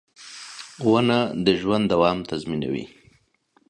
• ونه د ژوند دوام تضمینوي.